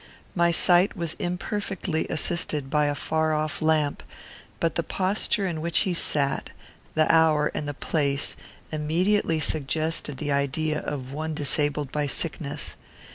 My sight was imperfectly assisted by a far off lamp; but the posture in which he sat, the hour, and the place, immediately suggested the idea of one disabled by sickness.